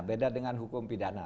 beda dengan hukum pidana